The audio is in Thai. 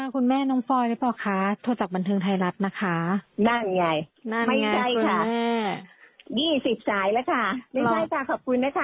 คุณแม่น้องฟรอยหรือเปล่าคะโทรศัพท์บันทึงไทยรัฐนะคะ